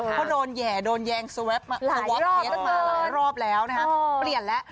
เพราะโดนแห่โดนแยงสวัสดิ์มาหลายรอบแล้วนะคะ